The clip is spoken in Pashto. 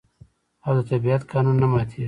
او د طبیعت قانون نه ماتیږي.